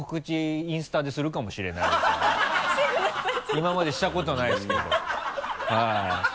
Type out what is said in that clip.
今までしたことないですけど。